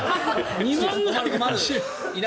２万ぐらいかな。